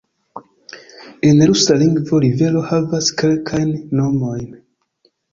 En rusa lingvo rivero havas kelkajn nomojn.